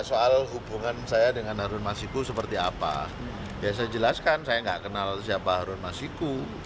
soal hubungan saya dengan harun masiku seperti apa ya saya jelaskan saya nggak kenal siapa harun masiku